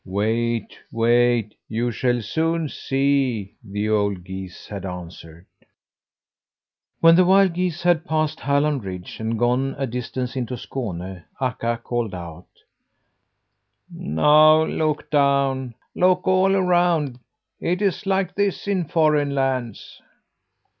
"Wait, wait! You shall soon see," the old geese had answered. When the wild geese had passed Halland Ridge and gone a distance into Skåne, Akka called out: "Now look down! Look all around! It is like this in foreign lands."